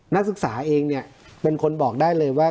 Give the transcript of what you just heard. นักศึกษาเองเนี่ยเป็นคนบอกได้เลยว่า